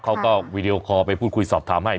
เขาก็วีดีโอคอลไปพูดคุยสอบถามให้